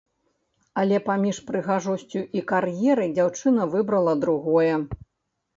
Але паміж прыгажосцю і кар'ерай дзяўчына выбрала другое.